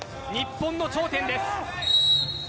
日本の頂点です。